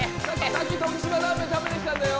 さっき徳島ラーメン食べてきたんだよ。